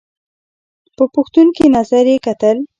په پوښتونکي نظر یې کتل !